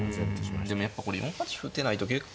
うんでもやっぱこれ４八歩打てないと結構。